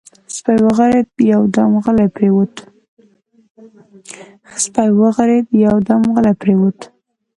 سپی وغرېد، يودم غلی پرېووت.